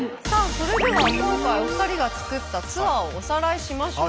それでは今回お二人が作ったツアーをおさらいしましょう。